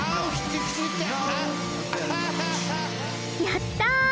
やった！